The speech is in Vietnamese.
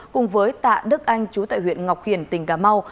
cùng với tạ đức anh chú tại huyện ngọc hiển tỉnh cà mau